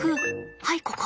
はいここ。